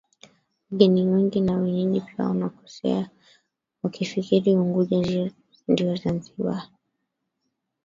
Wageni wengi na wenyeji pia wanakosea wakifikiri Unguja ndio Zanzibar